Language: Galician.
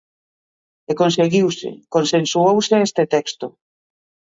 E conseguiuse, consensuouse este texto.